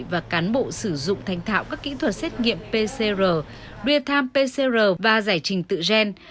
và cán bộ sử dụng thanh thảo các kỹ thuật xét nghiệm pcr retam pcr và giải trình tự gen